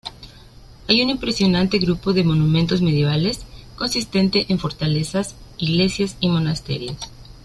Hay un impresionante grupo de monumentos medievales consistente en fortalezas, iglesias y monasterios.